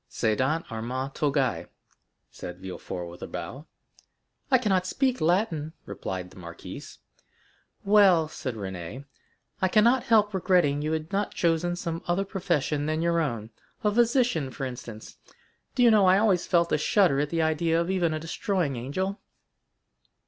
"Cedant arma togæ," said Villefort with a bow. "I cannot speak Latin," responded the marquise. "Well," said Renée, "I cannot help regretting you had not chosen some other profession than your own—a physician, for instance. Do you know I always felt a shudder at the idea of even a destroying angel?"